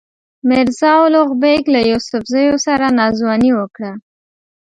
میرزا الغ بېګ له یوسفزیو سره ناځواني وکړه.